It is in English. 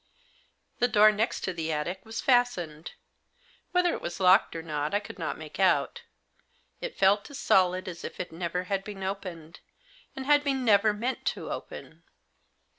The door next to the attic was fastened. Whether it was locked or not I could not make out. It felt as solid as if it never had been opened, and had been never meant to open.